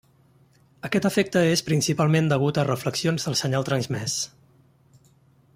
Aquest efecte és principalment degut a reflexions del senyal transmès.